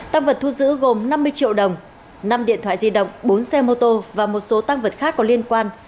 tăng vật thu giữ gồm năm mươi triệu đồng năm điện thoại di động bốn xe mô tô và một số tăng vật khác có liên quan